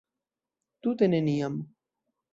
Tute neniam.